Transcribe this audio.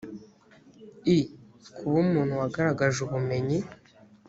i kuba umuntu wagaragaje ubumenyi